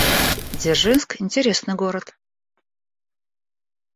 Дзержинск — интересный город